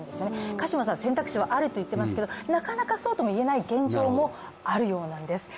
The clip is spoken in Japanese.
鹿島さん、選択肢はあるといっていましたが、なかなかそうとはいえない現状もあるということです。